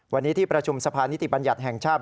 วันนี้ที่ประชุมสภานิติบัญญัติแห่งชาติ